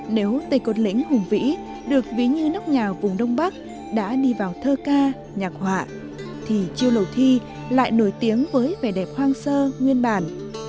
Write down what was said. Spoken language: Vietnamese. nếu cây cột lĩnh hùng vĩ được ví như nóc nhà vùng đông bắc đã đi vào thơ ca nhạc họa thì chiêu lầu thi lại nổi tiếng với vẻ đẹp hoang sơ nguyên bản